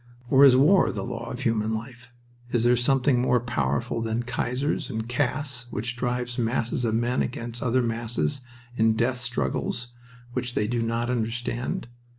Or is war the law of human life? Is there something more powerful than kaisers and castes which drives masses of men against other masses in death struggles which they do not understand?